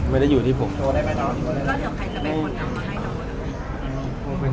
โทรได้ไหมครับ